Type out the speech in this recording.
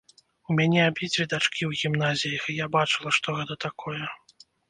У мяне абедзве дачкі ў гімназіях, і я бачыла, што гэта такое.